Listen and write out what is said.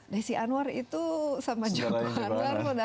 desi anwar itu sama juga anwar